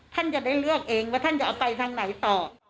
ท่านจะได้เลือกเองว่าท่านจะเอาไปทางไหนต่อ